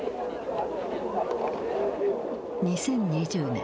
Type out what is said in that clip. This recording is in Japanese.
２０２０年。